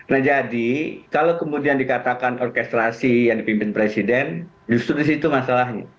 nah jadi kalau kemudian dikatakan orkestrasi yang dipimpin presiden justru disitu masalahnya